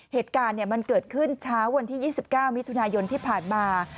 เหตุการณ์มันเกิดขึ้นเช้าวันที่๒๙มิถุนายนที่ผ่านมา